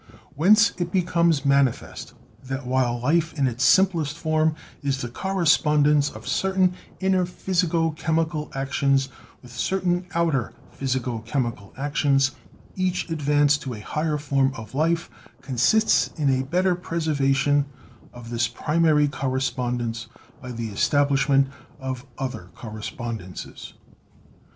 Whence it becomes manifest, that while Life in its simplest form is the correspondence of certain inner physico chem ical actions with certain outer physico chemical actions, each advance to a higher form of life consists in a better preservation of this primary correspondence by the estab lishment of other correspondences.